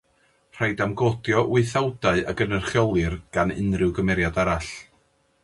Rhaid amgodio wythawdau a gynrychiolir gan unrhyw gymeriad arall.